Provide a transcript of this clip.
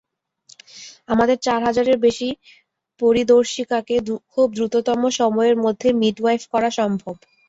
আমাদের চার হাজারের বেশি পরিদর্শিকাকে খুব দ্রুততম সময়ের মধ্যে মিডওয়াইফ করা সম্ভব।